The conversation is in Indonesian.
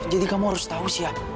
jadi kamu harus tahu sya